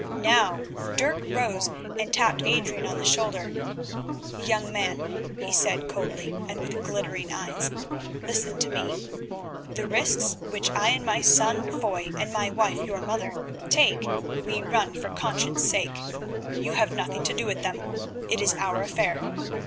Now Dirk rose and tapped Adrian on the shoulder. "Young man," he said coldly and with glittering eyes, "listen to me. The risks which I and my son, Foy, and my wife, your mother, take, we run for conscience sake. You have nothing to do with them, it is our affair.